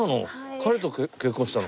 彼と結婚したの？